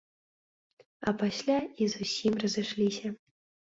А пасля і зусім разышліся.